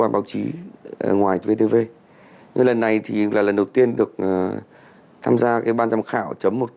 ban giám khảo